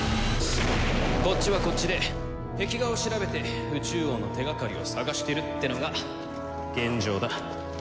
こっちはこっちで壁画を調べて宇蟲王の手がかりを探してるっていうのが現状だ。